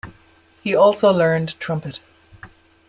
He also learned trumpet.